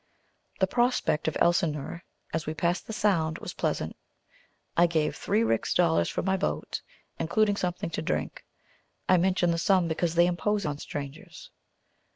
The prospect of Elsineur, as we passed the Sound, was pleasant. I gave three rix dollars for my boat, including something to drink. I mention the sum, because they impose on strangers.